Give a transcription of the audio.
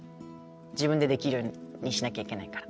自分でできるようにしなきゃいけないから。